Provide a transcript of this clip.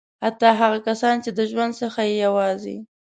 حتی هغه کسان چې د ژوند څخه یې یوازې.